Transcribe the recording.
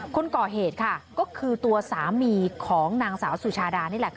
คนก่อเหตุค่ะก็คือตัวสามีของนางสาวสุชาดานี่แหละ